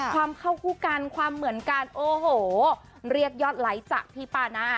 ความเข้าคู่กันความเหมือนกันโอ้โหเรียกยอดไลค์จากพี่ปานา